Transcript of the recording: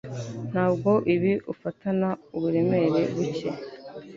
Ntabwo ibi ufatana uburemere buke?